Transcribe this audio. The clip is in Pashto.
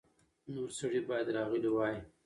نور سړي باید راغلي وای.